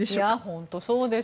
本当そうです。